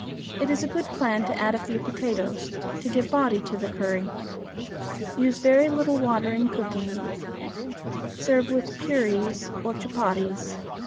It is a good plan to add a few potatoes to give body to the curry. Use very little water in cooking. Serve with puris or chupatties.